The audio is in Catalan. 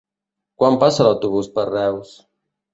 Quan passa l'autobús per Reus?